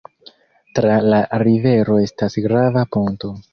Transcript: Tra la rivero estas grava ponto.